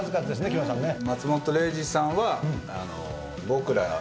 木村さんね。